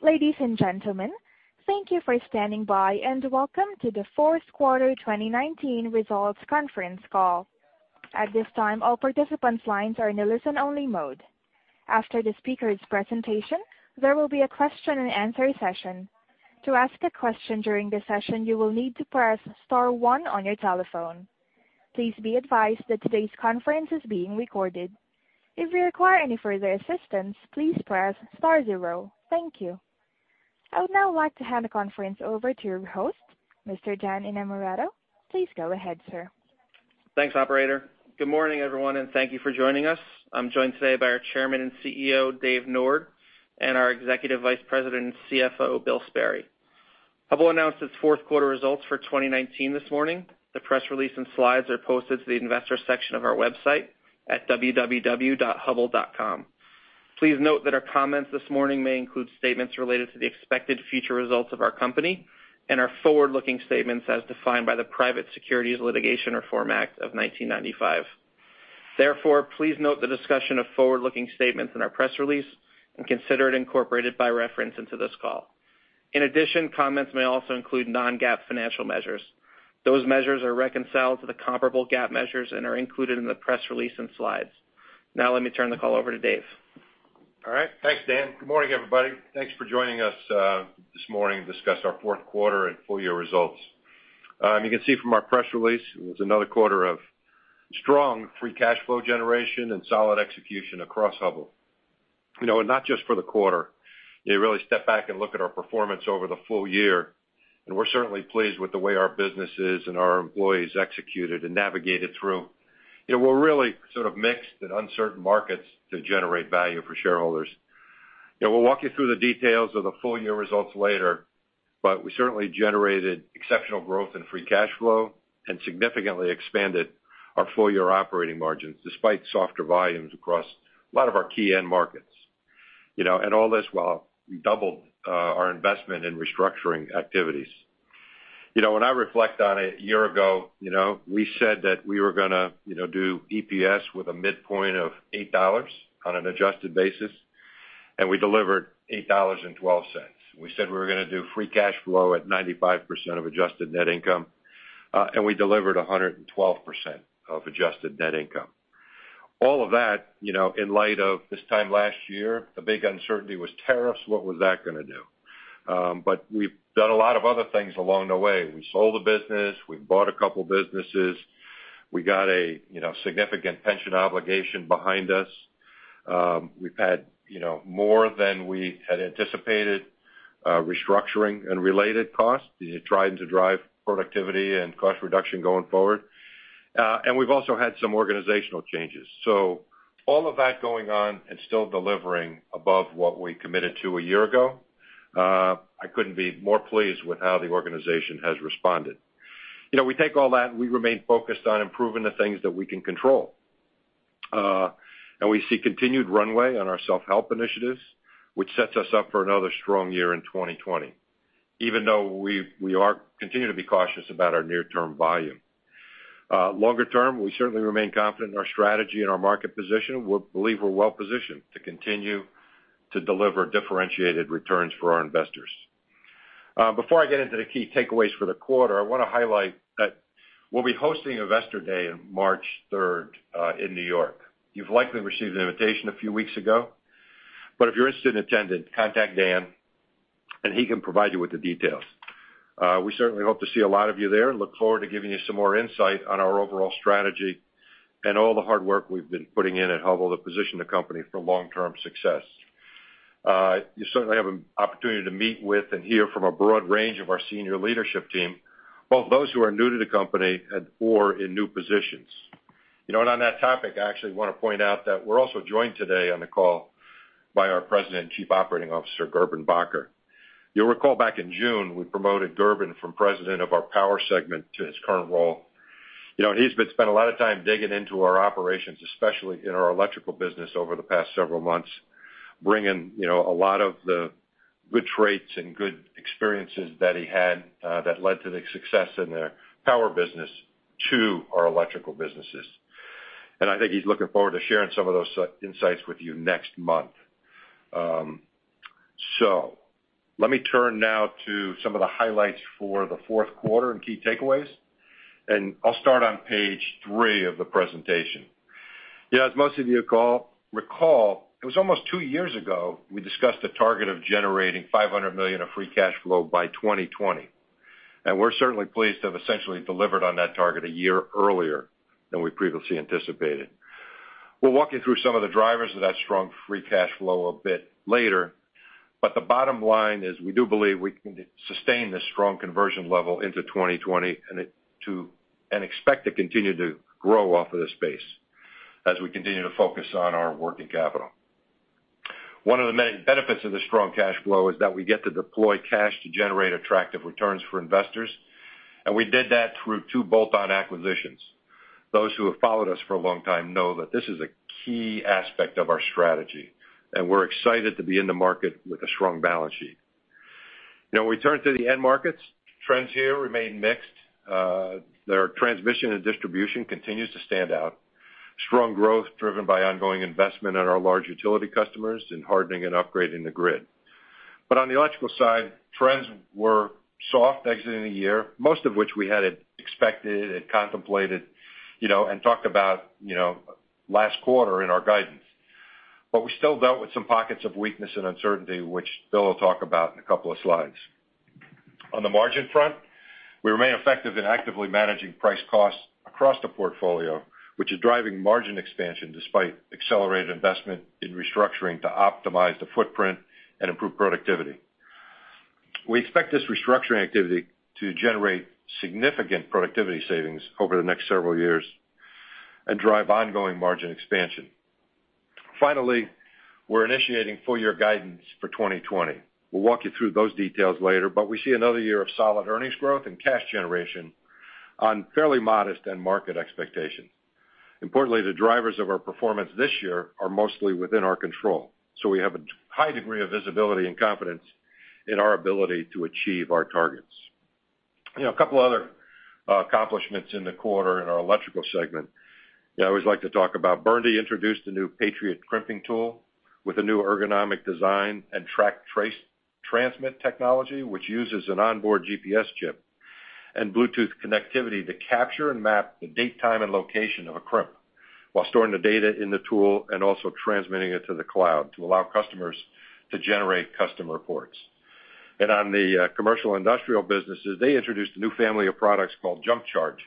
Ladies and gentlemen, thank you for standing by, and welcome to the fourth quarter 2019 results conference call. At this time, all participants' lines are in a listen-only mode. After the speakers' presentation, there will be a question-and-answer session. To ask a question during the session, you will need to press star 1 on your telephone. Please be advised that today's conference is being recorded. If you require any further assistance, please press star 0. Thank you. I would now like to hand the conference over to your host, Mr. Dan Innamorato. Please go ahead, sir. Thanks, operator. Good morning, everyone, thank you for joining us. I'm joined today by our Chairman and CEO, Dave Nord, and our Executive Vice President and CFO, Bill Sperry. Hubbell announced its fourth quarter results for 2019 this morning. The press release and slides are posted to the investor section of our website at www.hubbell.com. Please note that our comments this morning may include statements related to the expected future results of our company and are forward-looking statements as defined by the Private Securities Litigation Reform Act of 1995. Please note the discussion of forward-looking statements in our press release and consider it incorporated by reference into this call. Comments may also include non-GAAP financial measures. Those measures are reconciled to the comparable GAAP measures and are included in the press release and slides. Let me turn the call over to Dave. All right. Thanks, Dan. Good morning, everybody. Thanks for joining us this morning to discuss our fourth quarter and full-year results. You can see from our press release it was another quarter of strong free cash flow generation and solid execution across Hubbell. Not just for the quarter. You really step back and look at our performance over the full-year, and we're certainly pleased with the way our businesses and our employees executed and navigated through. We're really sort of mixed in uncertain markets to generate value for shareholders. We'll walk you through the details of the full-year results later, but we certainly generated exceptional growth and free cash flow and significantly expanded our full-year operating margins despite softer volumes across a lot of our key end markets. All this while we doubled our investment in restructuring activities. When I reflect on it a year ago, we said that we were going to do EPS with a midpoint of $8 on an adjusted basis, and we delivered $8.12. We said we were going to do free cash flow at 95% of adjusted net income, and we delivered 112% of adjusted net income. All of that, in light of this time last year, the big uncertainty was tariffs. What was that going to do? We've done a lot of other things along the way. We sold a business. We bought a couple of businesses. We got a significant pension obligation behind us. We've had more than we had anticipated restructuring and related costs trying to drive productivity and cost reduction going forward. We've also had some organizational changes. All of that going on and still delivering above what we committed to a year ago, I couldn't be more pleased with how the organization has responded. We take all that, and we remain focused on improving the things that we can control. We see continued runway on our self-help initiatives, which sets us up for another strong year in 2020, even though we continue to be cautious about our near-term volume. Longer term, we certainly remain confident in our strategy and our market position. We believe we're well positioned to continue to deliver differentiated returns for our investors. Before I get into the key takeaways for the quarter, I want to highlight that we'll be hosting Investor Day on March 3rd in New York. You've likely received an invitation a few weeks ago. If you're interested in attending, contact Dan, and he can provide you with the details. We certainly hope to see a lot of you there and look forward to giving you some more insight on our overall strategy and all the hard work we've been putting in at Hubbell to position the company for long-term success. You certainly have an opportunity to meet with and hear from a broad range of our senior leadership team, both those who are new to the company and/or in new positions. On that topic, I actually want to point out that we're also joined today on the call by our President and Chief Operating Officer, Gerben Bakker. You'll recall back in June, we promoted Gerben from President of our power segment to his current role. He's spent a lot of time digging into our operations, especially in our electrical business over the past several months, bringing a lot of the good traits and good experiences that he had that led to the success in the power business to our electrical businesses. I think he's looking forward to sharing some of those insights with you next month. Let me turn now to some of the highlights for the fourth quarter and key takeaways, and I'll start on page three of the presentation. As most of you recall, it was almost two years ago, we discussed a target of generating $500 million of free cash flow by 2020. We're certainly pleased to have essentially delivered on that target a year earlier than we previously anticipated. We'll walk you through some of the drivers of that strong free cash flow a bit later. The bottom line is we do believe we can sustain this strong conversion level into 2020 and expect to continue to grow off of this base as we continue to focus on our working capital. One of the many benefits of the strong cash flow is that we get to deploy cash to generate attractive returns for investors, and we did that through two bolt-on acquisitions. Those who have followed us for a long time know that this is a key aspect of our strategy, and we're excited to be in the market with a strong balance sheet. We turn to the end markets. Trends here remain mixed. The transmission and distribution continues to stand out. Strong growth driven by ongoing investment in our large utility customers in hardening and upgrading the grid. On the electrical side, trends were soft exiting the year, most of which we had expected and contemplated, and talked about last quarter in our guidance. We still dealt with some pockets of weakness and uncertainty, which Bill will talk about in a couple of slides. On the margin front, we remain effective in actively managing price costs across the portfolio, which is driving margin expansion despite accelerated investment in restructuring to optimize the footprint and improve productivity. We expect this restructuring activity to generate significant productivity savings over the next several years and drive ongoing margin expansion. Finally, we're initiating full-year guidance for 2020. We'll walk you through those details later, but we see another year of solid earnings growth and cash generation on fairly modest end market expectations. Importantly, the drivers of our performance this year are mostly within our control. We have a high degree of visibility and confidence in our ability to achieve our targets. A couple other accomplishments in the quarter in our electrical segment. I always like to talk about BURNDY introduced a new PATRIOT crimping tool with a new ergonomic design and Track Transmit technology, which uses an onboard GPS chip and Bluetooth connectivity to capture and map the date, time, and location of a crimp while storing the data in the tool and also transmitting it to the cloud to allow customers to generate custom reports. On the commercial industrial businesses, they introduced a new family of products called JumpCharge,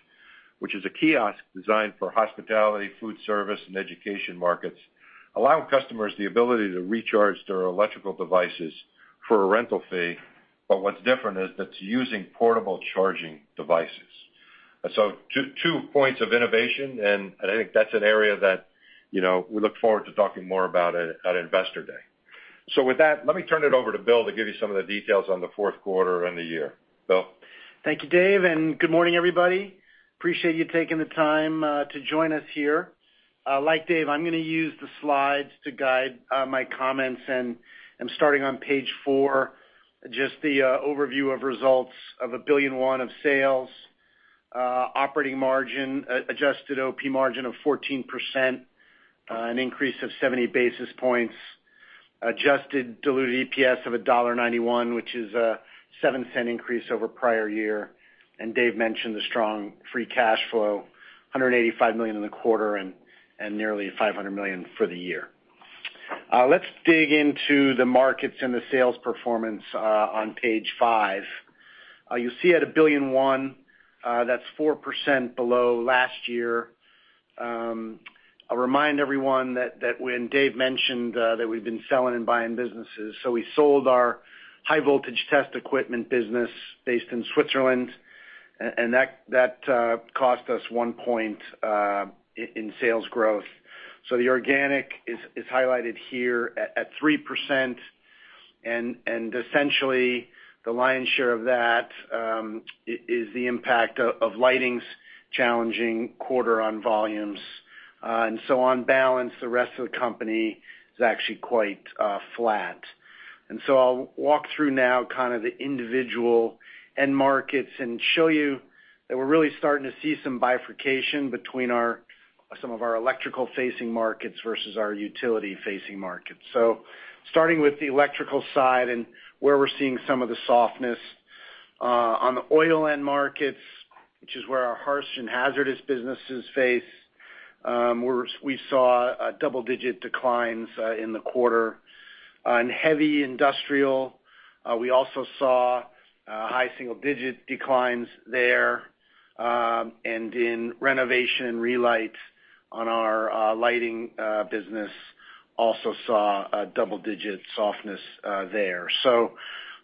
which is a kiosk designed for hospitality, food service, and education markets, allowing customers the ability to recharge their electrical devices for a rental fee. What's different is that it's using portable charging devices. Two points of innovation, I think that's an area that we look forward to talking more about at Investor Day. With that, let me turn it over to Bill to give you some of the details on the fourth quarter and the year. Bill? Thank you, Dave, and good morning, everybody. Appreciate you taking the time to join us here. Like Dave, I'm going to use the slides to guide my comments. I'm starting on page four. Just the overview of results of $1.1 billion of sales. Operating margin, adjusted OP margin of 14%, an increase of 70 basis points. Adjusted diluted EPS of $1.91, which is a $0.07 increase over prior year. Dave mentioned the strong free cash flow, $185 million in the quarter and nearly $500 million for the year. Let's dig into the markets and the sales performance on page five. You see at $1.1 billion, that's 4% below last year. I'll remind everyone that when Dave mentioned that we've been selling and buying businesses. We sold our high voltage test equipment business based in Switzerland. That cost us one point in sales growth. The organic is highlighted here at 3%, and essentially the lion's share of that is the impact of lighting's challenging quarter on volumes. On balance, the rest of the company is actually quite flat. I'll walk through now kind of the individual end markets and show you that we're really starting to see some bifurcation between some of our electrical facing markets versus our utility facing markets. Starting with the electrical side and where we're seeing some of the softness. On the oil end markets, which is where our harsh and hazardous businesses face, we saw double-digit declines in the quarter. On heavy industrial, we also saw high single-digit declines there. In renovation and relight on our lighting business, also saw a double-digit softness there.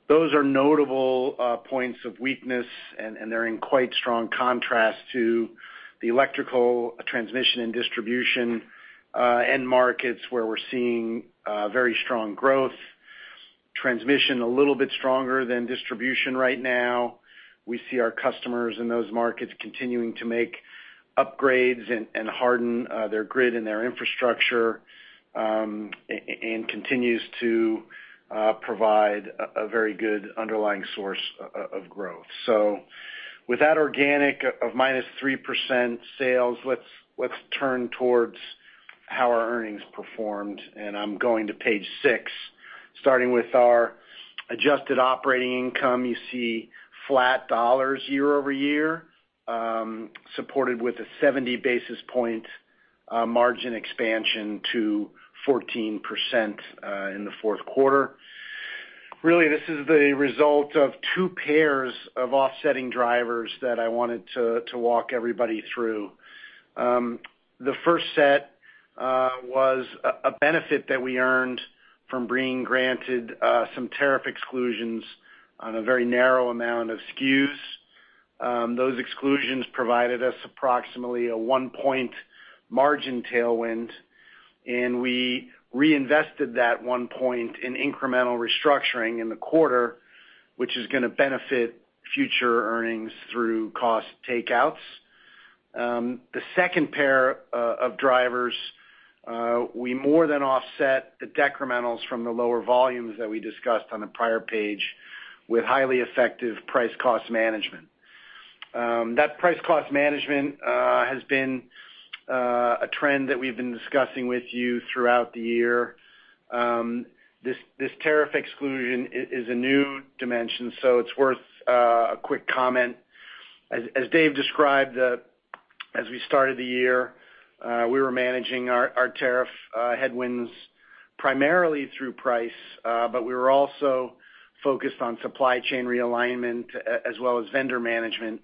Those are notable points of weakness, and they're in quite strong contrast to the electrical transmission and distribution end markets, where we're seeing very strong growth. Transmission a little bit stronger than distribution right now. We see our customers in those markets continuing to make upgrades and harden their grid and their infrastructure, and continues to provide a very good underlying source of growth. With that organic of -3% sales, let's turn towards how our earnings performed. I'm going to page six. Starting with our adjusted operating income, you see flat dollars year-over-year, supported with a 70 basis point margin expansion to 14% in the fourth quarter. Really, this is the result of two pairs of offsetting drivers that I wanted to walk everybody through. The first set was a benefit that we earned from being granted some tariff exclusions on a very narrow amount of SKUs. Those exclusions provided us approximately a one point margin tailwind, and we reinvested that one point in incremental restructuring in the quarter, which is going to benefit future earnings through cost takeouts. The second pair of drivers, we more than offset the decrementals from the lower volumes that we discussed on the prior page with highly effective price cost management. That price cost management has been a trend that we've been discussing with you throughout the year. This tariff exclusion is a new dimension, so it's worth a quick comment. As Dave described, as we started the year, we were managing our tariff headwinds primarily through price, but we were also focused on supply chain realignment as well as vendor management.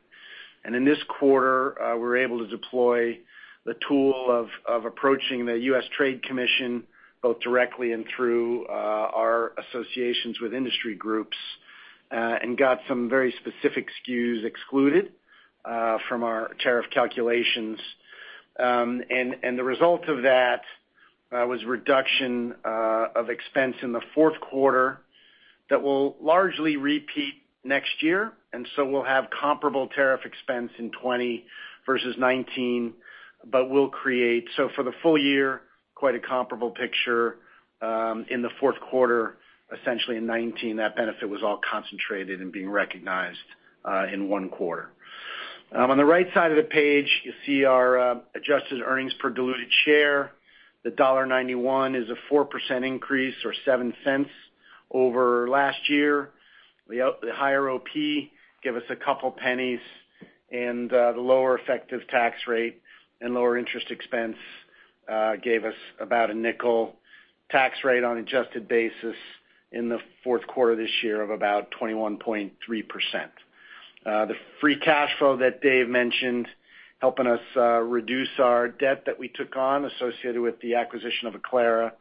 In this quarter, we were able to deploy the tool of approaching the U.S. Trade Commission, both directly and through our associations with industry groups, and got some very specific SKUs excluded from our tariff calculations. The result of that was reduction of expense in the fourth quarter that will largely repeat next year. We'll have comparable tariff expense in 2020 versus 2019, but we'll create, so for the full-year, quite a comparable picture. In the fourth quarter, essentially in 2019, that benefit was all concentrated and being recognized in one quarter. On the right side of the page, you see our adjusted earnings per diluted share. The $1.91 is a 4% increase or $0.07 over last year. The higher OP gave us about $0.02 and the lower effective tax rate and lower interest expense gave us about a nickel. Tax rate on adjusted basis in the fourth quarter of this year of about 21.3%. The free cash flow that Dave mentioned, helping us reduce our debt that we took on associated with the acquisition of Aclara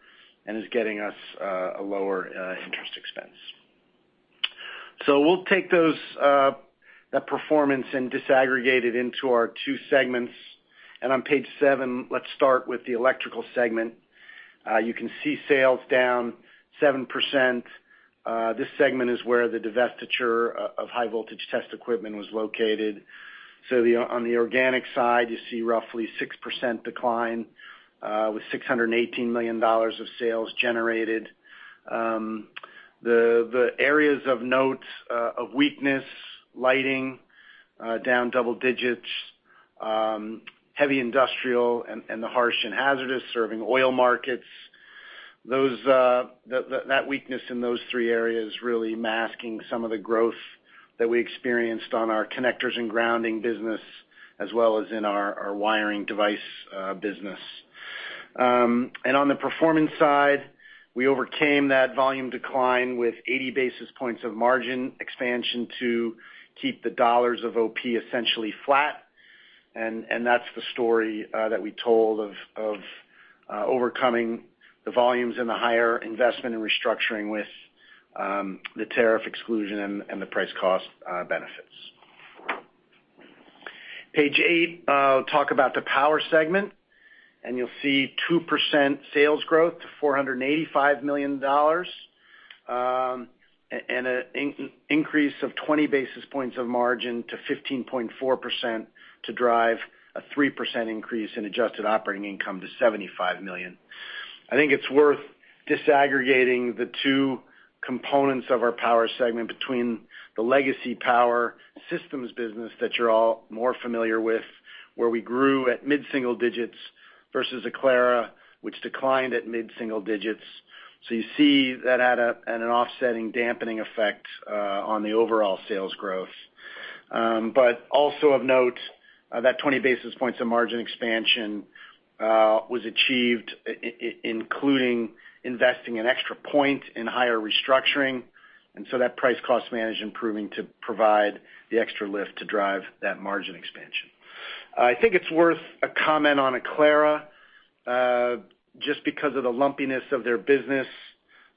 and is getting us a lower interest expense. We'll take that performance and disaggregate it into our two segments. On page seven, let's start with the Electrical Segment. You can see sales down 7%. This segment is where the divestiture of high voltage test equipment was located. On the organic side, you see roughly 6% decline, with $618 million of sales generated. The areas of notes of weakness, lighting, down double digits. Heavy industrial and the harsh and hazardous serving oil markets. That weakness in those three areas really masking some of the growth that we experienced on our connectors and grounding business as well as in our wiring device business. On the performance side, we overcame that volume decline with 80 basis points of margin expansion to keep the dollars of OP essentially flat. That's the story that we told of overcoming the volumes and the higher investment in restructuring with the tariff exclusion and the price cost benefits. Page eight, talk about the power segment. You'll see 2% sales growth to $485 million. An increase of 20 basis points of margin to 15.4% to drive a 3% increase in adjusted operating income to $75 million. I think it's worth disaggregating the two components of our power segment between the legacy power systems business that you're all more familiar with, where we grew at mid-single digits versus Aclara, which declined at mid-single digits. You see that had an offsetting dampening effect on the overall sales growth. Also of note, that 20 basis points of margin expansion was achieved, including investing an extra one point in higher restructuring, and so that price cost management proving to provide the extra lift to drive that margin expansion. I think it's worth a comment on Aclara, just because of the lumpiness of their business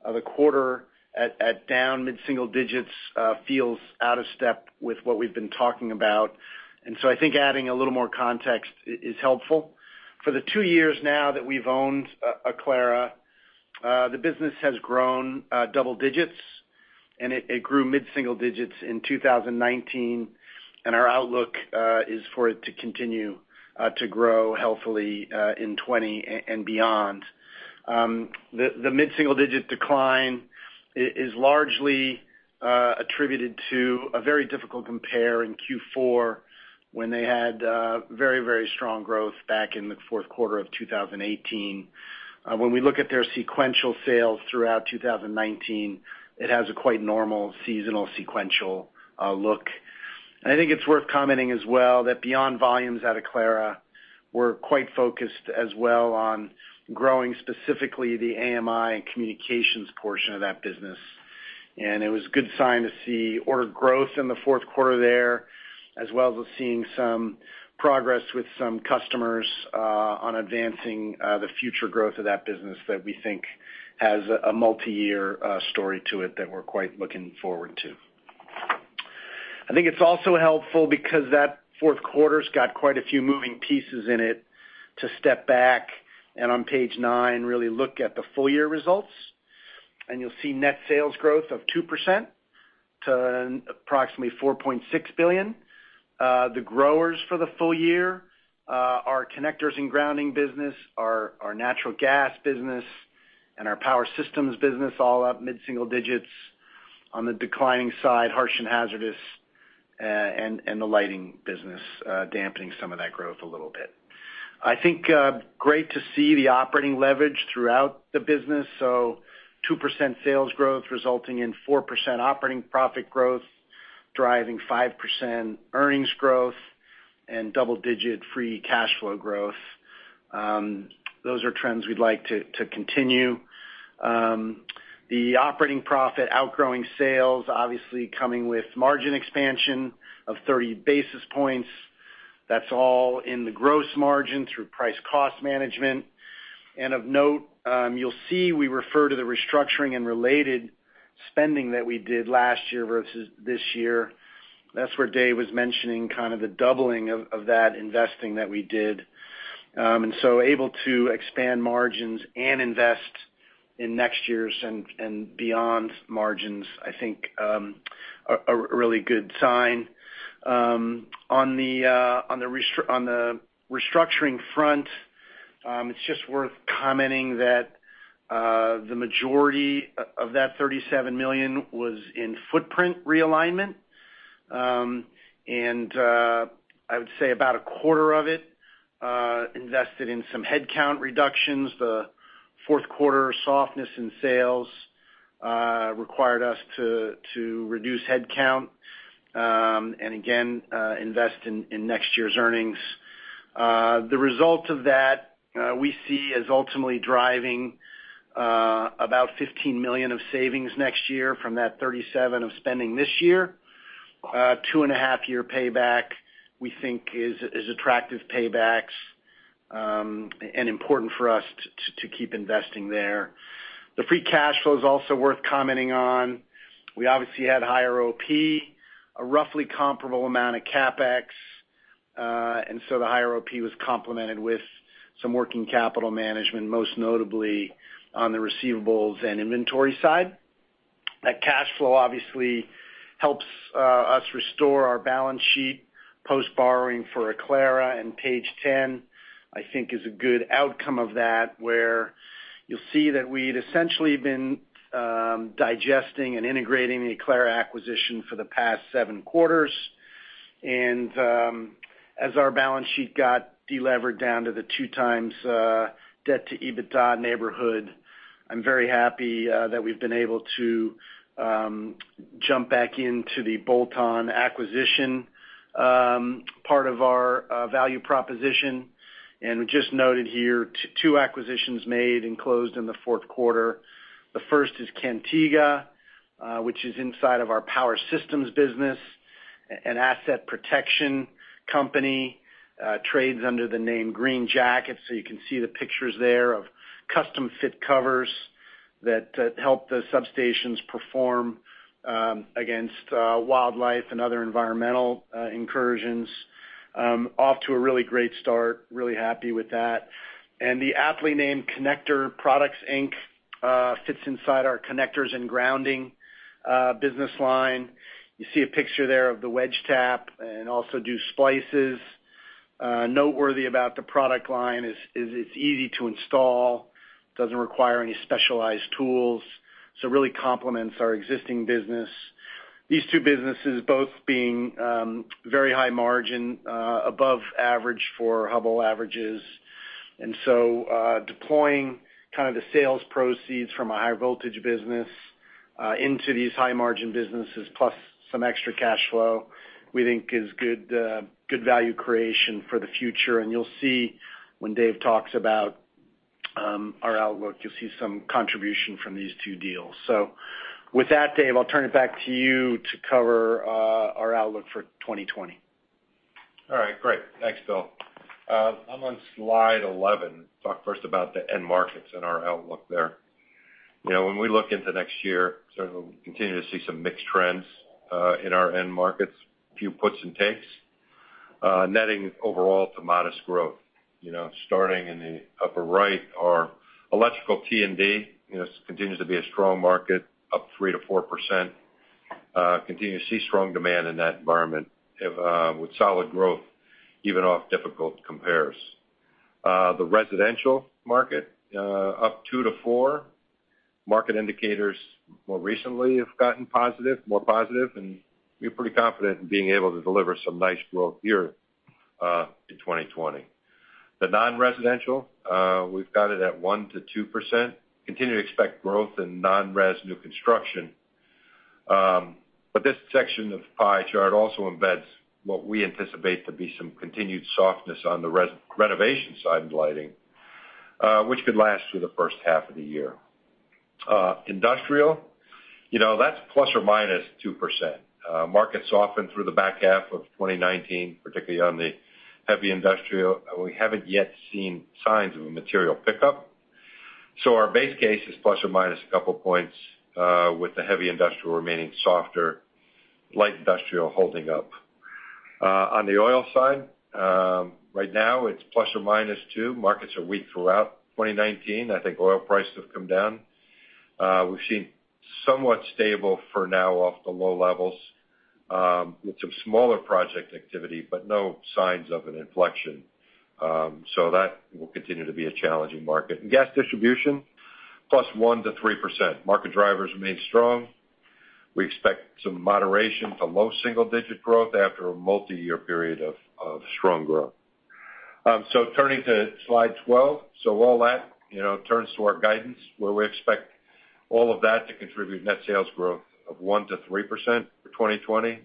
of the quarter at down mid-single digits feels out of step with what we've been talking about. I think adding a little more context is helpful. For the two years now that we've owned Aclara, the business has grown double digits. Our outlook is for it to continue to grow healthily in 2020 and beyond. The mid-single digit decline is largely attributed to a very, very difficult compare in Q4 when they had very, very strong growth back in the fourth quarter of 2018. When we look at their sequential sales throughout 2019, it has a quite normal seasonal sequential look. I think it's worth commenting as well that beyond volumes at Aclara, we're quite focused as well on growing specifically the AMI and communications portion of that business. It was a good sign to see order growth in the fourth quarter there, as well as seeing some progress with some customers on advancing the future growth of that business that we think has a multi-year story to it that we're quite looking forward to. I think it's also helpful because that fourth quarter's got quite a few moving pieces in it to step back and on page nine, really look at the full-year results. You'll see net sales growth of 2% to approximately $4.6 billion. The growers for the full-year are Connectors and Grounding business, our natural gas business, and our Power Systems business all up mid-single digits. On the declining side, harsh and hazardous, and the lighting business, dampening some of that growth a little bit. I think great to see the operating leverage throughout the business. 2% sales growth resulting in 4% operating profit growth, driving 5% earnings growth and double-digit free cash flow growth. Those are trends we'd like to continue. The operating profit outgrowing sales, obviously coming with margin expansion of 30 basis points. That's all in the gross margin through price cost management. Of note, you'll see we refer to the restructuring and related spending that we did last year versus this year. That's where Dave was mentioning kind of the doubling of that investing that we did. Able to expand margins and invest in next year's and beyond margins, I think, are a really good sign. On the restructuring front, it's just worth commenting that the majority of that $37 million was in footprint realignment. I would say about a quarter of it invested in some headcount reductions. The fourth quarter softness in sales required us to reduce headcount, and again, invest in next year's earnings. The result of that, we see as ultimately driving about $15 million of savings next year from that $37 of spending this year. Two and a half year payback, we think is attractive paybacks, and important for us to keep investing there. The free cash flow is also worth commenting on. We obviously had higher OP, a roughly comparable amount of CapEx. The higher OP was complemented with some working capital management, most notably on the receivables and inventory side. That cash flow obviously helps us restore our balance sheet, post borrowing for Aclara. Page 10, I think is a good outcome of that, where you'll see that we'd essentially been digesting and integrating the Aclara acquisition for the past seven quarters. As our balance sheet got de-levered down to the two times debt to EBITDA neighborhood, I'm very happy that we've been able to jump back into the bolt-on acquisition part of our value proposition. We just noted here two acquisitions made and closed in the fourth quarter. The first is Cantega, which is inside of our power systems business, an asset protection company, trades under the name Green Jacket. You can see the pictures there of custom fit covers that help the substations perform against wildlife and other environmental incursions. Off to a really great start, really happy with that. The aptly named Connector Products Inc. fits inside our connectors and grounding business line. You see a picture there of the wedge tap and also do splices. Noteworthy about the product line is it's easy to install, doesn't require any specialized tools, so really complements our existing business. These two businesses both being very high margin, above average for Hubbell averages. Deploying kind of the sales proceeds from a high voltage business into these high margin businesses plus some extra cash flow, we think is good value creation for the future. You'll see when Dave talks about our outlook, you'll see some contribution from these two deals. With that, Dave, I'll turn it back to you to cover our outlook for 2020. All right, great. Thanks, Bill. I'm on slide 11. Talk first about the end markets and our outlook there. When we look into next year, continue to see some mixed trends in our end markets. Few puts and takes. Netting overall to modest growth. Starting in the upper right, our electrical T&D continues to be a strong market, up 3%-4%. Continue to see strong demand in that environment with solid growth, even off difficult compares. The residential market, up 2%-4%. Market indicators more recently have gotten more positive, and we're pretty confident in being able to deliver some nice growth here in 2020. The non-residential, we've got it at 1%-2%. Continue to expect growth in non-res new construction. This section of pie chart also embeds what we anticipate to be some continued softness on the renovation side of the lighting, which could last through the first half of the year. Industrial, that's ±2%. Market softened through the back half of 2019, particularly on the heavy industrial, and we haven't yet seen signs of a material pickup. Our base case is plus or minus a couple points with the heavy industrial remaining softer, light industrial holding up. On the oil side, right now it's ±2%. Markets are weak throughout 2019. I think oil prices have come down. We've seen somewhat stable for now off the low levels with some smaller project activity, but no signs of an inflection. That will continue to be a challenging market. In gas distribution, +1% to 3%. Market drivers remain strong. We expect some moderation to low single-digit growth after a multi-year period of strong growth. Turning to slide 12. All that turns to our guidance, where we expect all of that to contribute net sales growth of 1%-3% for 2020,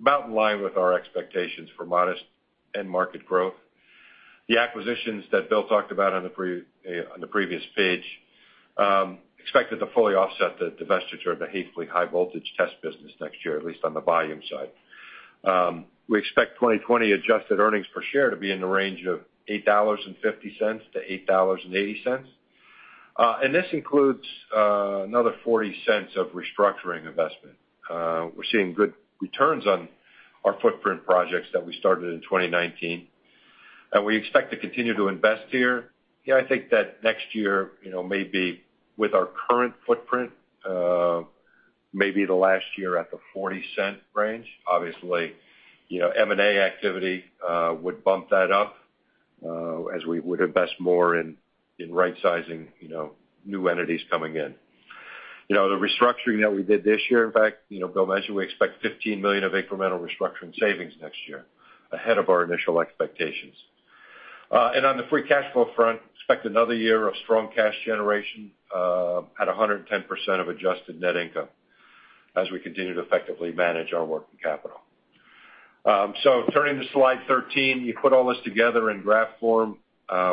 about in line with our expectations for modest end market growth. The acquisitions that Bill talked about on the previous page, expected to fully offset the divestiture of the HAEFELY high voltage test business next year, at least on the volume side. We expect 2020 adjusted earnings per share to be in the range of $8.50-$8.80. This includes another $0.40 of restructuring investment. We're seeing good returns on our footprint projects that we started in 2019, and we expect to continue to invest here. I think that next year, maybe with our current footprint, maybe the last year at the $0.40 range. M&A activity would bump that up, as we would invest more in right-sizing new entities coming in. The restructuring that we did this year, in fact, Bill mentioned we expect $15 million of incremental restructuring savings next year, ahead of our initial expectations. On the free cash flow front, expect another year of strong cash generation at 110% of adjusted net income, as we continue to effectively manage our working capital. Turning to slide 13, you put all this together in graph form.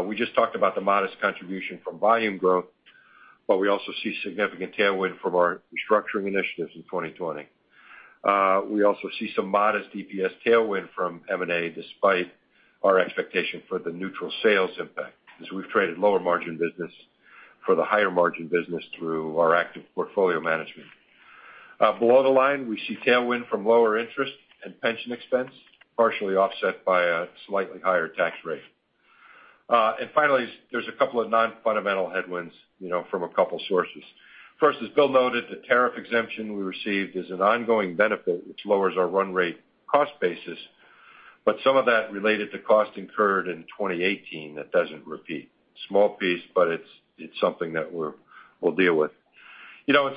We just talked about the modest contribution from volume growth, we also see significant tailwind from our restructuring initiatives in 2020. We also see some modest EPS tailwind from M&A despite our expectation for the neutral sales impact, as we've traded lower margin business for the higher margin business through our active portfolio management. Below the line, we see tailwind from lower interest and pension expense, partially offset by a slightly higher tax rate. Finally, there's a couple of non-fundamental headwinds from a couple sources. First, as Bill noted, the tariff exemption we received is an ongoing benefit which lowers our run rate cost basis, but some of that related to cost incurred in 2018, that doesn't repeat. Small piece, but it's something that we'll deal with.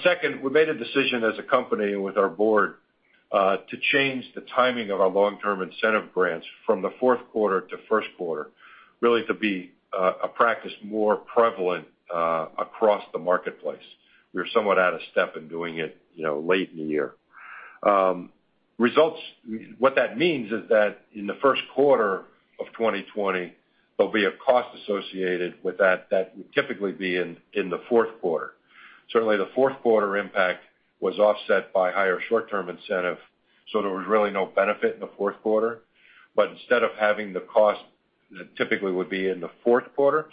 Second, we made a decision as a company with our board, to change the timing of our long-term incentive grants from the fourth quarter to first quarter, really to be a practice more prevalent across the marketplace. We were somewhat out of step in doing it late in the year. Results, what that means is that in the first quarter of 2020, there'll be a cost associated with that that would typically be in the fourth quarter. Certainly, the fourth quarter impact was offset by higher short-term incentive, so there was really no benefit in the fourth quarter. Instead of having the cost that typically would be in the fourth quarter,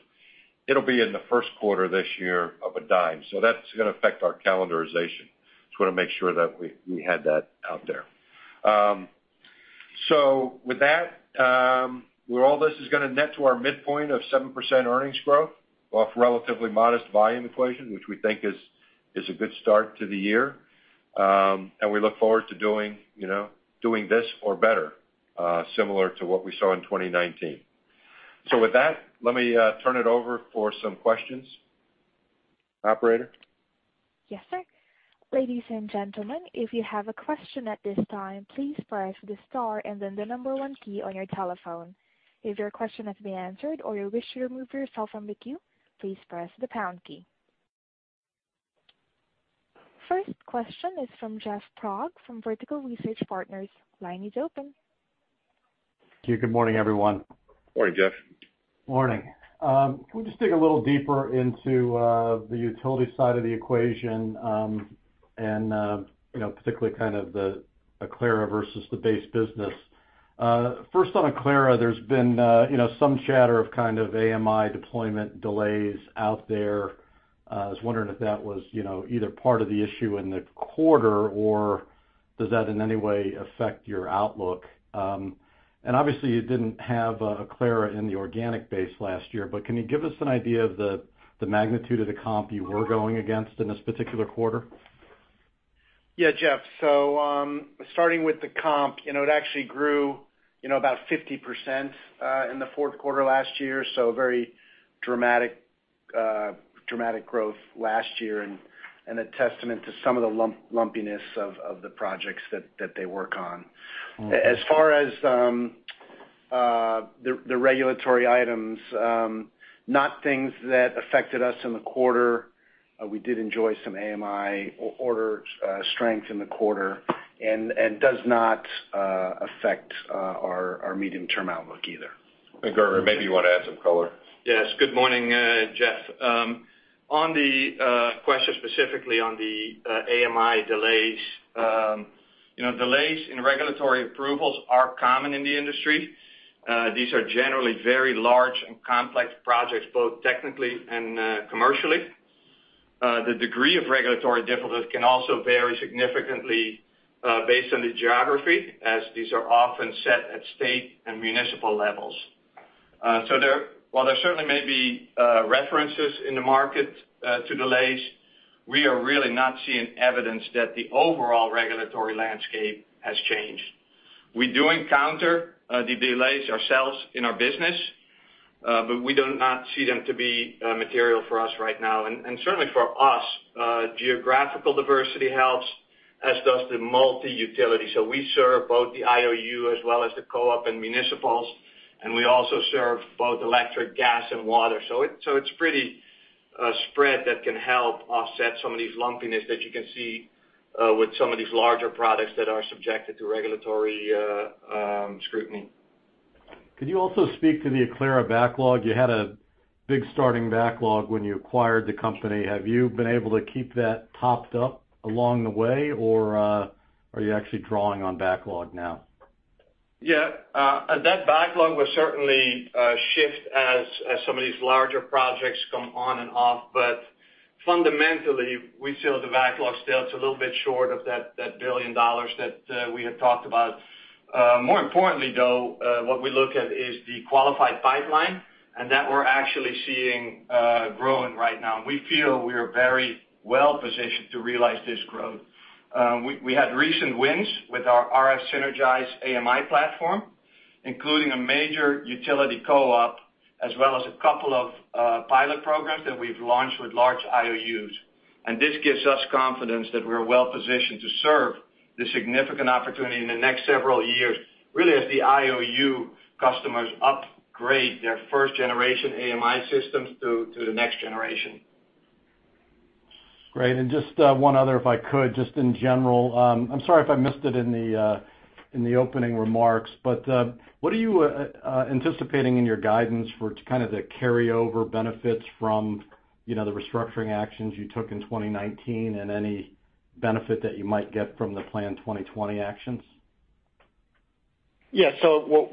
it'll be in the first quarter this year of $0.10. That's going to affect our calendarization. I just want to make sure that we had that out there. With that, where all this is going to net to our midpoint of 7% earnings growth off relatively modest volume equation, which we think is a good start to the year. We look forward to doing this or better, similar to what we saw in 2019. With that, let me turn it over for some questions. Operator? Yes, sir. Ladies and gentlemen, if you have a question at this time, please press the star and then the number one key on your telephone. If your question has been answered or you wish to remove yourself from the queue, please press the pound key. First question is from Jeff Sprague from Vertical Research Partners. Line is open. Okay, good morning, everyone. Morning, Jeff. Morning. Can we just dig a little deeper into the utility side of the equation, and particularly kind of the Aclara versus the base business. First on Aclara, there's been some chatter of kind of AMI deployment delays out there. I was wondering if that was either part of the issue in the quarter or does that in any way affect your outlook? Obviously you didn't have Aclara in the organic base last year, but can you give us an idea of the magnitude of the comp you were going against in this particular quarter? Yeah, Jeff. Starting with the comp, it actually grew about 50% in the fourth quarter last year, so very dramatic growth last year, and a testament to some of the lumpiness of the projects that they work on. Okay. As far as the regulatory items, not things that affected us in the quarter. We did enjoy some AMI order strength in the quarter, and does not affect our medium-term outlook either. I think, Gerben, maybe you want to add some color. Yes. Good morning, Jeff. On the question specifically on the AMI delays. Delays in regulatory approvals are common in the industry. These are generally very large and complex projects, both technically and commercially. The degree of regulatory difficulty can also vary significantly based on the geography, as these are often set at state and municipal levels. While there certainly may be references in the market to delays, we are really not seeing evidence that the overall regulatory landscape has changed. We do encounter the delays ourselves in our business, but we do not see them to be material for us right now. Certainly for us, geographical diversity helps, as does the multi-utility. We serve both the IOU as well as the co-op and municipals, and we also serve both electric, gas and water. It's pretty spread that can help offset some of these lumpiness that you can see with some of these larger products that are subjected to regulatory scrutiny. Could you also speak to the Aclara backlog? You had a big starting backlog when you acquired the company. Have you been able to keep that topped up along the way, or are you actually drawing on backlog now? Yeah. That backlog will certainly shift as some of these larger projects come on and off, but fundamentally, we feel the backlog still it's a little bit short of that billion dollars that we had talked about. More importantly, though, what we look at is the qualified pipeline, and that we're actually seeing growing right now. We feel we are very well-positioned to realize this growth. We had recent wins with our Aclara RF Communications Network AMI platform, including a major utility co-op as well as a couple of pilot programs that we've launched with large IOUs. This gives us confidence that we're well-positioned to serve the significant opportunity in the next several years, really, as the IOU customers upgrade their first-generation AMI systems to the next generation. Great. Just one other, if I could, just in general. I'm sorry if I missed it in the opening remarks, what are you anticipating in your guidance for kind of the carryover benefits from the restructuring actions you took in 2019 and any benefit that you might get from the plan 2020 actions? Yeah.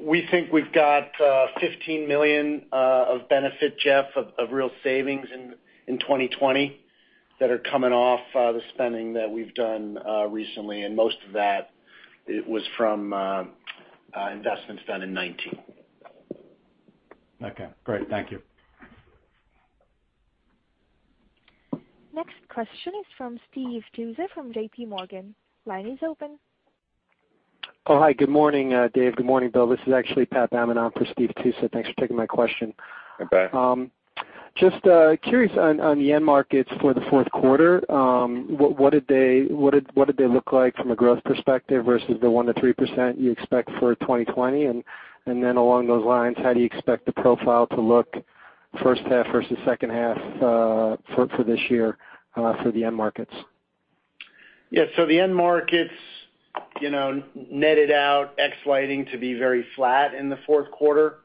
We think we've got $15 million of benefit, Jeff, of real savings in 2020 that are coming off the spending that we've done recently, and most of that was from investments done in 2019. Okay, great. Thank you. Next question is from Steve Tusa from JPMorgan. Line is open. Oh, hi. Good morning, Dave. Good morning, Bill. This is actually Pat Bannon for Steve Tusa. Thanks for taking my question. Okay. Just curious on the end markets for the fourth quarter. What did they look like from a growth perspective versus the 1%-3% you expect for 2020? Along those lines, how do you expect the profile to look first half versus second half for this year for the end markets? Yeah. The end markets netted out ex lighting to be very flat in the fourth quarter.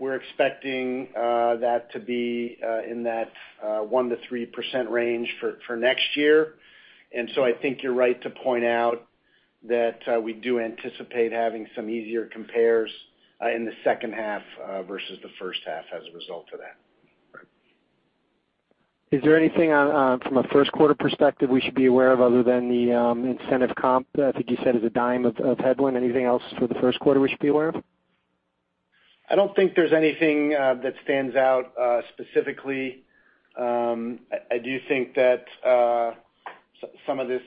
We're expecting that to be in that 1%-3% range for next year. I think you're right to point out that we do anticipate having some easier compares in the second half versus the first half as a result of that. Is there anything from a first quarter perspective we should be aware of other than the incentive comp that I think you said is a $0.10 of headwind? Anything else for the first quarter we should be aware of? I don't think there's anything that stands out specifically. I do think that some of this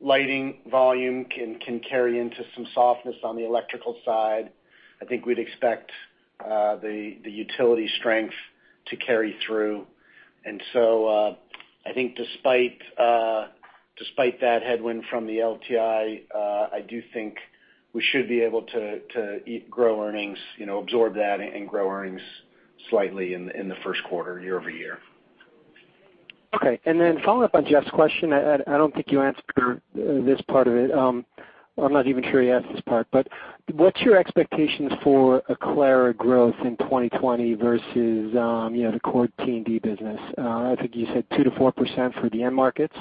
lighting volume can carry into some softness on the electrical side. I think we'd expect the utility strength to carry through. I think despite that headwind from the LTI, I do think we should be able to absorb that and grow earnings slightly in the first quarter year-over-year. Okay. Following up on Jeff's question, I don't think you answered this part of it. I'm not even sure he asked this part, what's your expectations for Aclara growth in 2020 versus the core T&D business? I think you said 2%-4% for the end markets.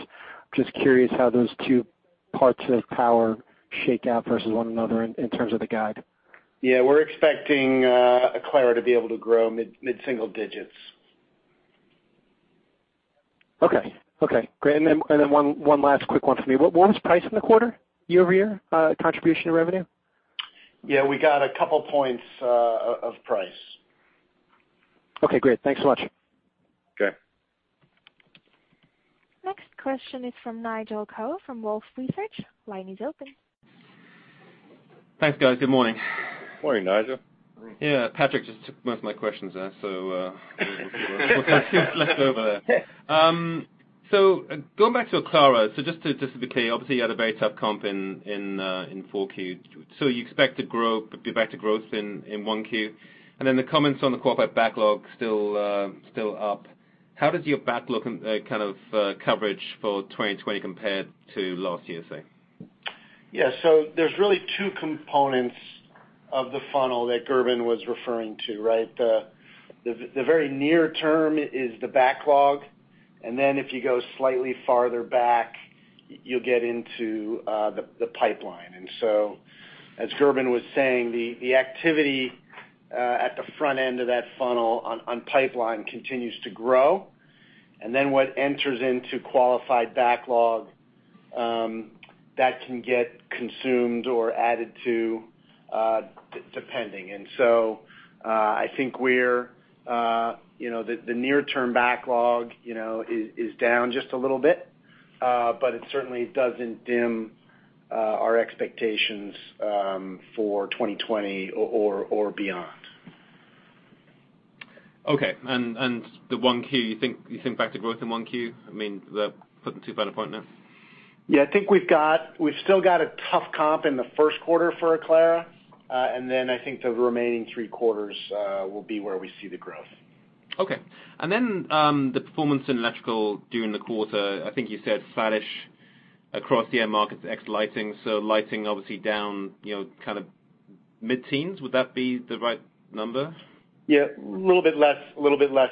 Just curious how those two parts of power shake out versus one another in terms of the guide. We're expecting Aclara to be able to grow mid-single digits. Okay. Great. One last quick one for me. What was price in the quarter year-over-year contribution to revenue? Yeah, we got a couple points of price. Okay, great. Thanks so much. Okay. Next question is from Nigel Coe from Wolfe Research. Line is open. Thanks, guys. Good morning. Morning, Nigel. Yeah, Patrick just took most of my questions there. We'll see what's left over there. Going back to Aclara, just to be clear, obviously, you had a very tough comp in 4Q. You expect to be back to growth in 1Q. The comments on the corporate backlog still up. How does your backlog kind of coverage for 2020 compare to last year, say? Yeah, there's really two components of the funnel that Gerben was referring to, right? The very near term is the backlog, and then if you go slightly farther back-You'll get into the pipeline. As Gerben was saying, the activity at the front end of that funnel on pipeline continues to grow, and then what enters into qualified backlog, that can get consumed or added to, depending. I think the near-term backlog is down just a little bit, but it certainly doesn't dim our expectations for 2020 or beyond. Okay. The 1Q, you think back to growth in 1Q? Putting too fine a point now. Yeah, I think we've still got a tough comp in the first quarter for Aclara, and then I think the remaining three quarters will be where we see the growth. Okay. The performance in electrical during the quarter, I think you said flattish across the end markets, ex lighting. Lighting obviously down kind of mid-teens. Would that be the right number? Yeah. Little bit less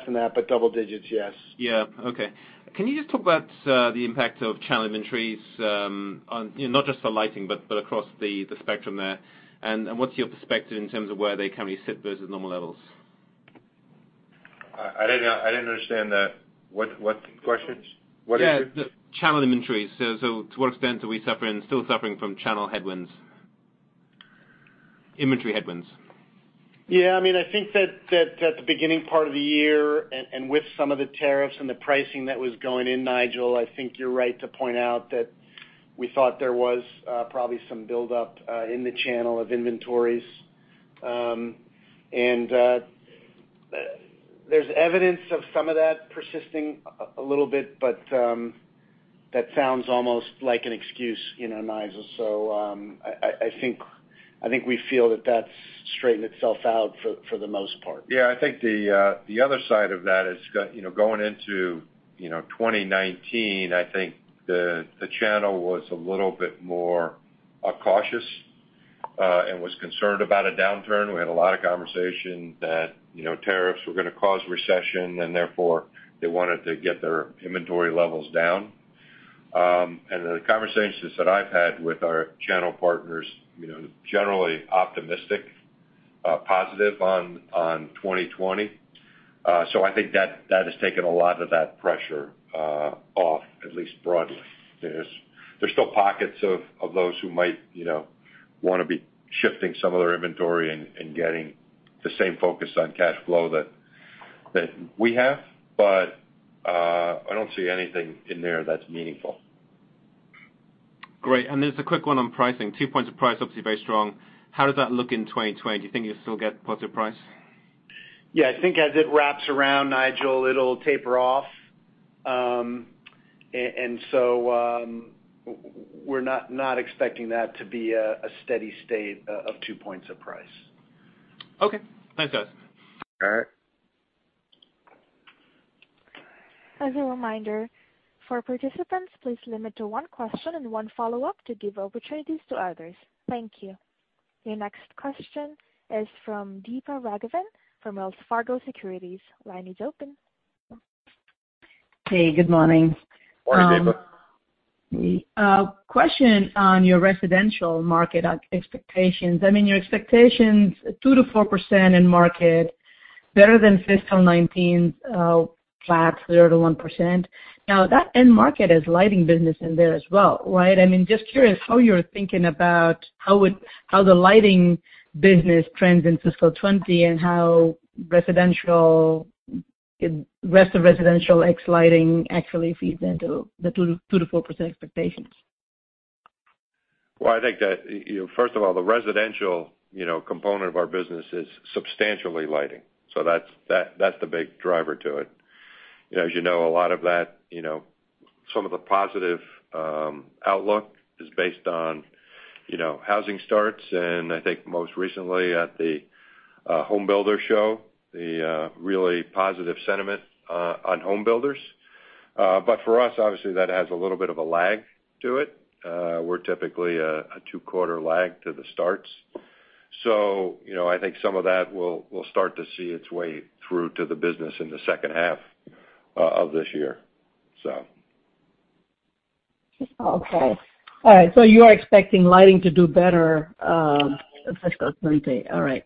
than that, but double digits, yes. Yeah. Okay. Can you just talk about the impact of channel inventories, not just for lighting, but across the spectrum there. What's your perspective in terms of where they currently sit versus normal levels? I didn't understand that. What's the question? Yeah. The channel inventories. To what extent are we still suffering from channel headwinds? Inventory headwinds. Yeah, I think that at the beginning part of the year, with some of the tariffs and the pricing that was going in, Nigel, I think you're right to point out that we thought there was probably some buildup in the channel of inventories. There's evidence of some of that persisting a little bit, but that sounds almost like an excuse, Nigel. I think we feel that that's straightened itself out for the most part. Yeah, I think the other side of that is going into 2019, I think the channel was a little bit more cautious, and was concerned about a downturn. We had a lot of conversation that tariffs were going to cause recession, and therefore, they wanted to get their inventory levels down. The conversations that I've had with our channel partners, generally optimistic, positive on 2020. I think that has taken a lot of that pressure off, at least broadly. There's still pockets of those who might want to be shifting some of their inventory and getting the same focus on cash flow that we have. I don't see anything in there that's meaningful. Great. There's a quick one on pricing. Two points of price, obviously very strong. How does that look in 2020? Do you think you'll still get positive price? Yeah, I think as it wraps around, Nigel, it'll taper off. We're not expecting that to be a steady state of two points of price. Okay. Thanks, guys. All right. As a reminder, for participants, please limit to one question and one follow-up to give opportunities to others. Thank you. Your next question is from Deepa Raghavan from Wells Fargo Securities. Line is open. Hey, good morning. Morning, Deepa. Question on your residential market expectations. Your expectations, 2%-4% in market, better than fiscal 2019's, flat 0%-1%. That end market has lighting business in there as well, right? Just curious how you're thinking about how the lighting business trends in fiscal 2020, and how rest of residential, ex lighting actually feeds into the 2%-4% expectations. Well, I think that, first of all, the residential component of our business is substantially lighting. That's the big driver to it. As you know, a lot of that, some of the positive outlook is based on housing starts. I think most recently at the home builder show, the really positive sentiment on home builders. For us, obviously, that has a little bit of a lag to it. We're typically a two-quarter lag to the starts. I think some of that will start to see its way through to the business in the second half of this year. Okay. All right. You're expecting lighting to do better in fiscal 2020. All right.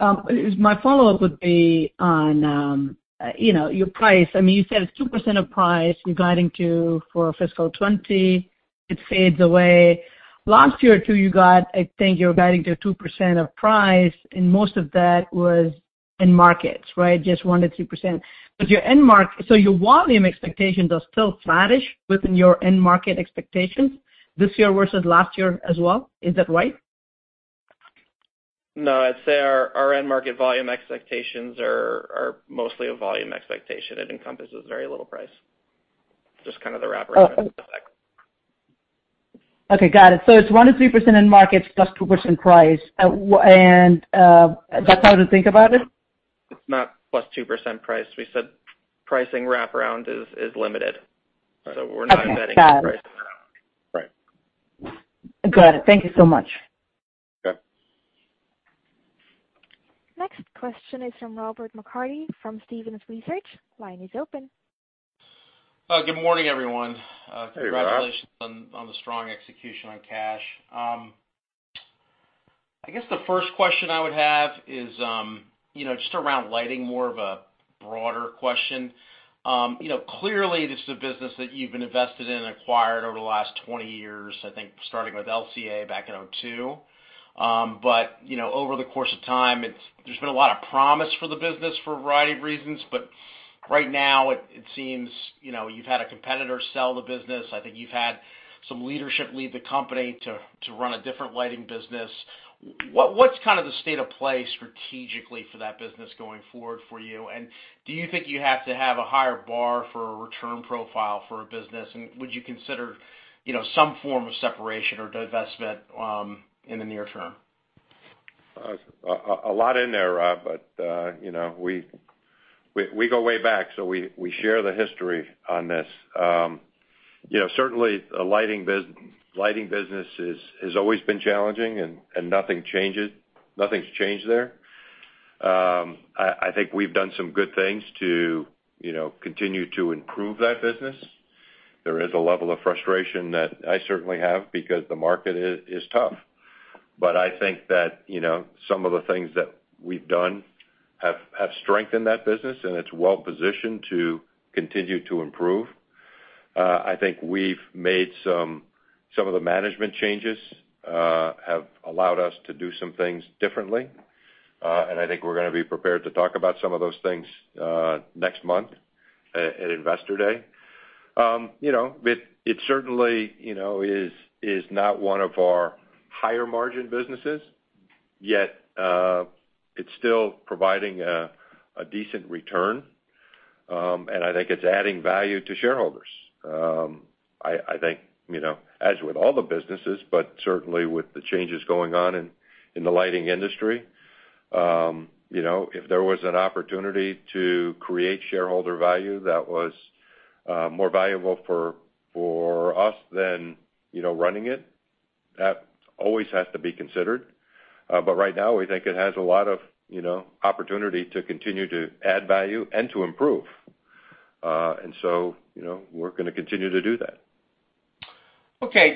My follow-up would be on your price. You said it's 2% of price, guiding to for fiscal 2020, it fades away. Last year or two, you got I think you were guiding to 2% of price, and most of that was end markets, right? Just 1%-3%. Your volume expectations are still flattish within your end market expectations this year versus last year as well. Is that right? No, I'd say our end market volume expectations are mostly a volume expectation. It encompasses very little price. Just kind of the wraparound effect. Okay, got it. It's 1%-3% in markets plus 2% price. That's how to think about it? It's not +2% price. We said pricing wraparound is limited. We're not betting the price. Got it. Thank you so much. Okay. Question is from Robert McCarty from Stephens Inc. Line is open. Good morning, everyone. Hey, Rob. Congratulations on the strong execution on cash. I guess the first question I would have is just around lighting, more of a broader question. Clearly, this is a business that you've been invested in and acquired over the last 20 years, I think starting with LCA back in 2002. Over the course of time, there's been a lot of promise for the business for a variety of reasons, but right now it seems you've had a competitor sell the business. I think you've had some leadership leave the company to run a different lighting business. What's kind of the state of play strategically for that business going forward for you? Do you think you have to have a higher bar for a return profile for a business, and would you consider some form of separation or divestment in the near-term? A lot in there, Rob, but we go way back, so we share the history on this. Certainly, the lighting business has always been challenging, and nothing's changed there. I think we've done some good things to continue to improve that business. There is a level of frustration that I certainly have because the market is tough. I think that some of the things that we've done have strengthened that business, and it's well-positioned to continue to improve. I think we've made some of the management changes have allowed us to do some things differently. I think we're going to be prepared to talk about some of those things next month at Investor Day. It certainly is not one of our higher-margin businesses, yet it's still providing a decent return. I think it's adding value to shareholders. I think, as with all the businesses, but certainly with the changes going on in the lighting industry, if there was an opportunity to create shareholder value that was more valuable for us than running it, that always has to be considered. Right now, we think it has a lot of opportunity to continue to add value and to improve. We're going to continue to do that.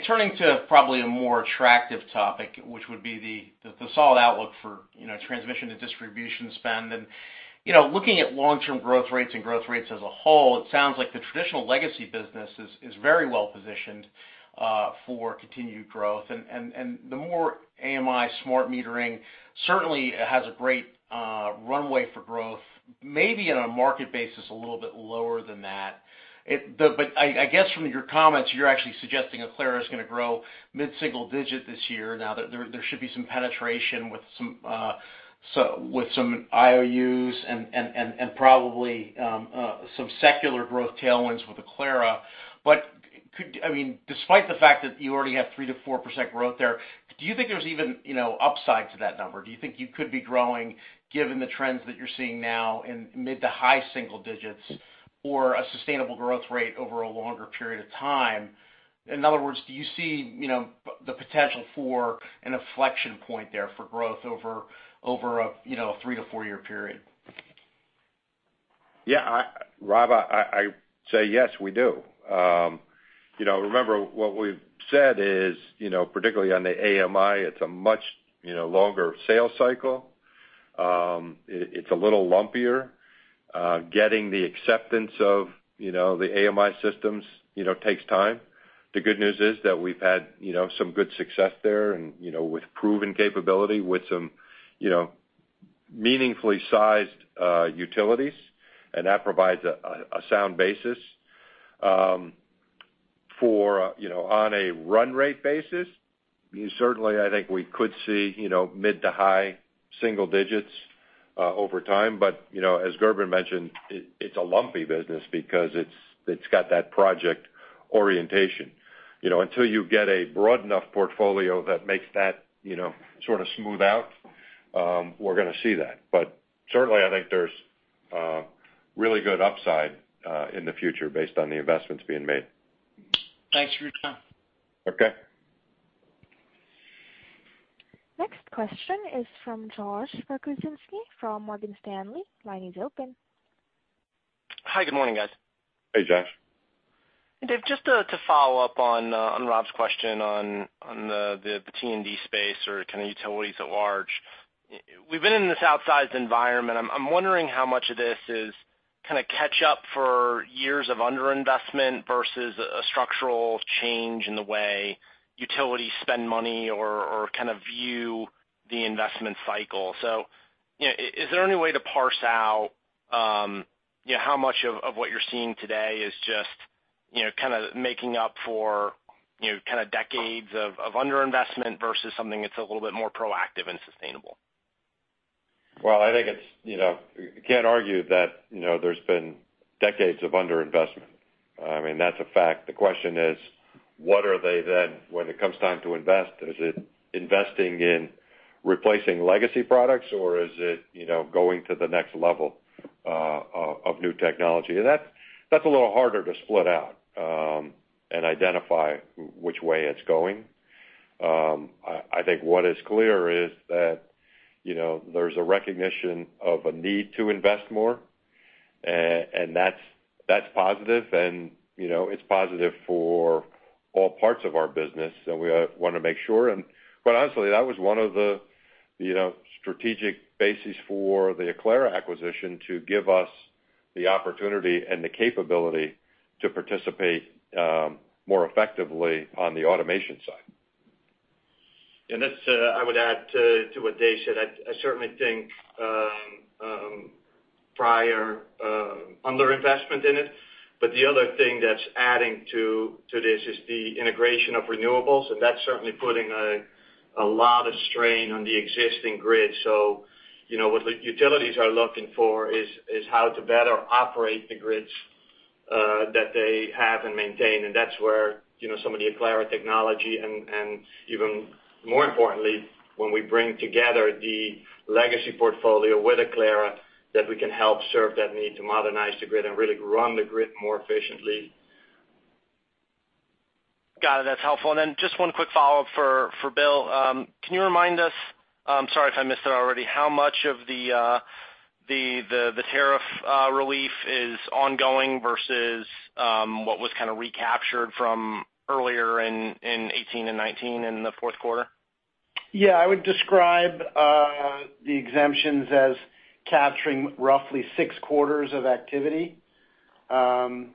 Turning to probably a more attractive topic, which would be the solid outlook for transmission to distribution spend. Looking at long-term growth rates and growth rates as a whole, it sounds like the traditional legacy business is very well-positioned for continued growth. The more AMI smart metering certainly has a great runway for growth, maybe on a market basis, a little bit lower than that. I guess from your comments, you're actually suggesting Aclara is going to grow mid-single digit this year. There should be some penetration with some IOUs and probably some secular growth tailwinds with Aclara. Despite the fact that you already have 3%-4% growth there, do you think there's even upside to that number? Do you think you could be growing, given the trends that you're seeing now in mid to high single digits or a sustainable growth rate over a longer period of time? In other words, do you see the potential for an inflection point there for growth over a three to four-year period? Robert, I say yes, we do. What we've said is, particularly on the AMI, it's a much longer sales cycle. It's a little lumpier. Getting the acceptance of the AMI systems takes time. The good news is that we've had some good success there with proven capability with some meaningfully sized utilities, that provides a sound basis. On a run rate basis, certainly, I think we could see mid to high single digits over time, as Gerben mentioned, it's a lumpy business because it's got that project orientation. Until you get a broad enough portfolio that makes that sort of smooth out, we're going to see that. Certainly, I think there's really good upside in the future based on the investments being made. Thanks for your time. Okay. Next question is from Josh Pokrzywinski from Morgan Stanley. Line is open. Hi, good morning, guys. Hey, Josh. Dave, just to follow up on Rob's question on the T&D space or kind of utilities at large. We've been in this outsized environment. I'm wondering how much of this is kind of catch up for years of underinvestment versus a structural change in the way utilities spend money or kind of view the investment cycle. Is there any way to parse out how much of what you're seeing today is just kind of making up for decades of underinvestment versus something that's a little bit more proactive and sustainable? Well, I think you can't argue that there's been decades of underinvestment. That's a fact. The question is: what are they then when it comes time to invest? Is it investing in replacing legacy products, or is it going to the next level of new technology? That's a little harder to split out and identify which way it's going. I think what is clear is that there's a recognition of a need to invest more, and that's positive, and it's positive for all parts of our business, and we want to make sure. Honestly, that was one of the strategic bases for the Aclara acquisition to give us the opportunity and the capability to participate more effectively on the automation side. I would add to what Dave said, I certainly think prior under-investment in it. The other thing that's adding to this is the integration of renewables, and that's certainly putting a lot of strain on the existing grid. What the utilities are looking for is how to better operate the grids that they have and maintain, and that's where some of the Aclara technology, and even more importantly, when we bring together the legacy portfolio with Aclara, that we can help serve that need to modernize the grid and really run the grid more efficiently. Got it. That's helpful. Just one quick follow-up for Bill. Can you remind us, sorry if I missed it already, how much of the tariff relief is ongoing versus what was kind of recaptured from earlier in 2018 and 2019 in the fourth quarter? Yeah, I would describe the exemptions as capturing roughly six quarters of activity. The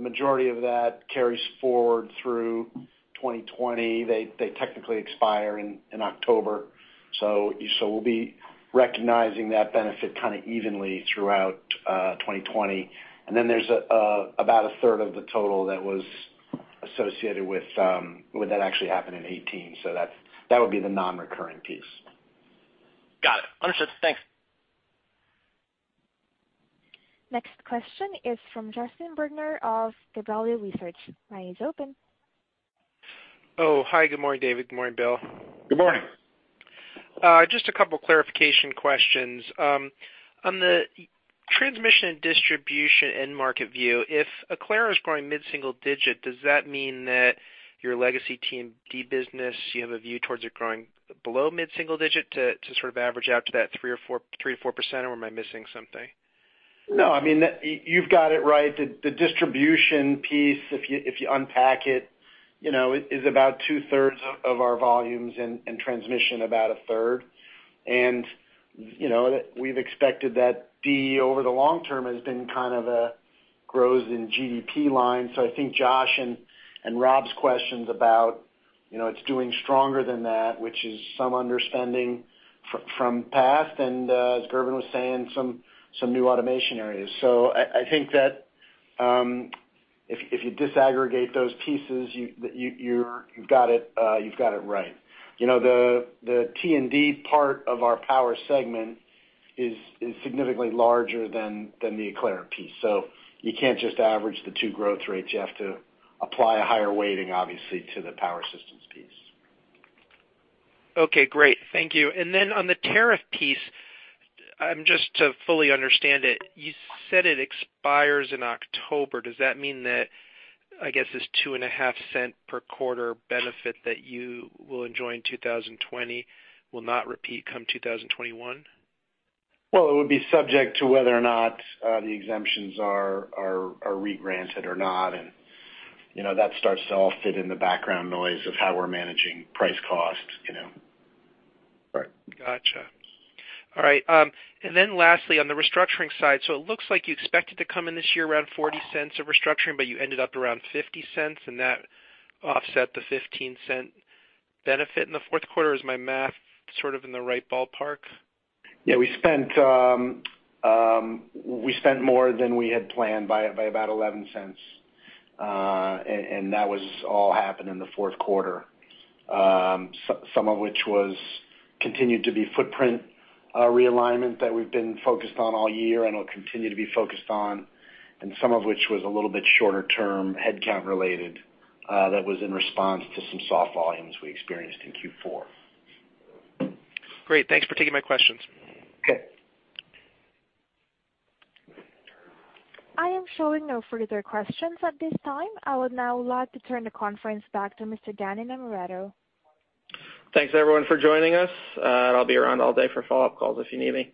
majority of that carries forward through 2020. They technically expire in October, so we'll be recognizing that benefit kind of evenly throughout 2020. There's about a third of the total that was associated with that actually happened in 2018. That would be the non-recurring piece. Got it. Understood. Thanks. Next question is from Justin Bergner of Gabelli Funds. Line is open. Oh, hi. Good morning, David. Good morning, Bill. Good morning. Just a couple clarification questions. On the transmission and distribution end market view, if Aclara is growing mid-single digit, does that mean that your legacy T&D business, you have a view towards it growing below mid-single digit to sort of average out to that 3% or 4%, or am I missing something? No, you've got it right. The distribution piece, if you unpack it, is about two-thirds of our volumes and transmission about a third. We've expected that D, over the long-term, has been kind of a grows in GDP line. I think Josh and Rob's questions about it's doing stronger than that, which is some underspending from past and, as Gerben was saying, some new automation areas. I think that if you disaggregate those pieces, you've got it right. The T&D part of our power segment is significantly larger than the Aclara piece. You can't just average the two growth rates. You have to apply a higher weighting, obviously, to the power systems piece. Okay, great. Thank you. On the tariff piece, just to fully understand it, you said it expires in October. Does that mean that, I guess this $0.025 per quarter benefit that you will enjoy in 2020 will not repeat come 2021? Well, it would be subject to whether or not the exemptions are re-granted or not, and that starts to all fit in the background noise of how we're managing price cost. Right. Gotcha. All right. Lastly, on the restructuring side, it looks like you expected to come in this year around $0.40 of restructuring, you ended up around $0.50, that offset the $0.15 benefit in the fourth quarter. Is my math sort of in the right ballpark? Yeah, we spent more than we had planned by about $0.11. That was all happened in the fourth quarter. Some of which continued to be footprint realignment that we've been focused on all year and will continue to be focused on, and some of which was a little bit shorter term headcount related, that was in response to some soft volumes we experienced in Q4. Great. Thanks for taking my questions. Okay. I am showing no further questions at this time. I would now like to turn the conference back to Mr. Dan Innamorato. Thanks everyone for joining us. I'll be around all day for follow-up calls if you need me.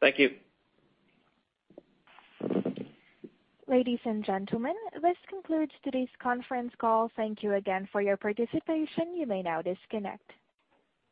Thank you. Ladies and gentlemen, this concludes today's conference call. Thank you again for your participation. You may now disconnect.